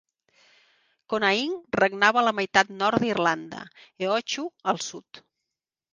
Conaing regnava a la meitat nord d'Irlanda, Eochu al sud.